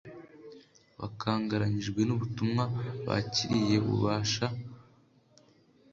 bakangaranyijwe n’ubutumwa bakiriye bubasaba gushaka aho bihisha igisasu cya kirimbuzi kigiye guterwa ku butaka bwabo